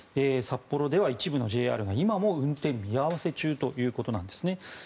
札幌では一部のＪＲが今も運転見合わせ中ということです。